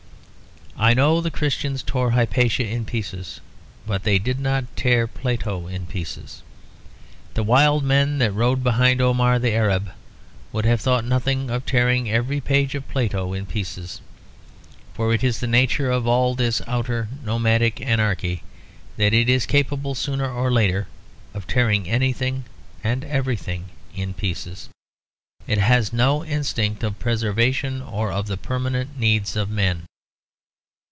I know the Christians tore Hypatia in pieces; but they did not tear Plato in pieces. The wild men that rode behind Omar the Arab would have thought nothing of tearing every page of Plato in pieces. For it is the nature of all this outer nomadic anarchy that it is capable sooner or later of tearing anything and everything in pieces; it has no instinct of preservation or of the permanent needs of men.